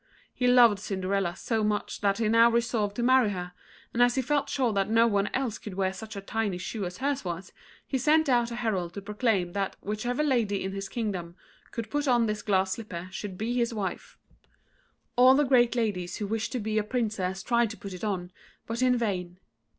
He loved Cinderella so much that he now resolved to marry her; and as he felt sure that no one else could wear such a tiny shoe as hers was, he sent out a herald to proclaim that whichever lady in his kingdom could put on this glass slipper should be his wife. All the great ladies who wished to be a Princess tried to put it on, but in vain.